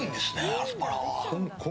アスパラは。